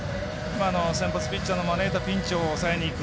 先発ピッチャーの招いたピンチを抑えにいく。